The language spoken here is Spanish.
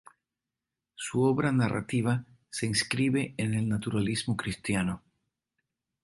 Su obra narrativa se inscribe en el naturalismo cristiano.